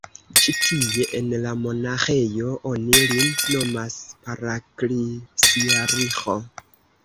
Ĉi tie, en la monaĥejo, oni lin nomas paraklisiarĥo.